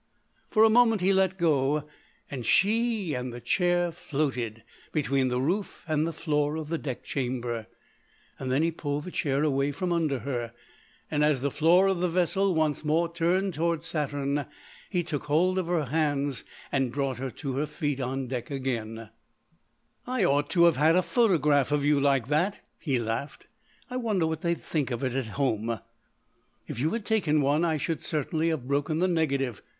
For a moment he let go, and she and the chair floated between the roof and the floor of the deck chamber. Then he pulled the chair away from under her, and as the floor of the vessel once more turned towards Saturn, he took hold of her hands and brought her to her feet on deck again. [Illustration: Without any apparent effort he raised her about five feet from the floor.] "I ought to have had a photograph of you like that!" he laughed. "I wonder what they'd think of it at home?" "If you had taken one I should certainly have broken the negative.